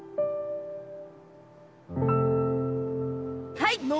はい！